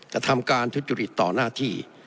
จะทำการทุจริตต่อหน้าที่